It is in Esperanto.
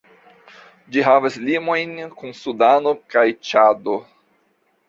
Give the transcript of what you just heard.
Ĝi havas limojn kun Sudano kaj Ĉado.